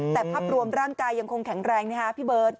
แต่ภาพรวมร่างกายยังคงแข็งแรงนะฮะพี่เบิร์ต